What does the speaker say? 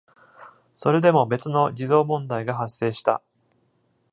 それでも別の偽造問題が発生した。